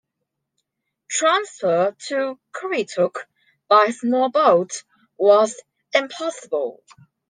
Transfer to "Currituck" by small boat was impossible.